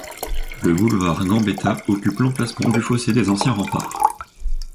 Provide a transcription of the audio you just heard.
Le boulevard Gambetta occupe l'emplacement du fossé des anciens remparts.